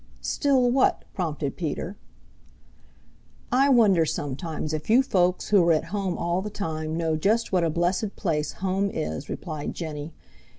"Still what?" prompted Peter. "I wonder sometimes if you folks who are at home all the time know just what a blessed place home is," replied Jenny.